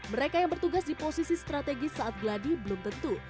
mereka yang bertugas di posisi strategis saat geladi belum tentu